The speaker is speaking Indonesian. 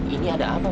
ini ada apa bu